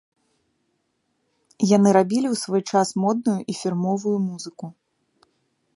Яны рабілі ў свой час модную і фірмовую музыку.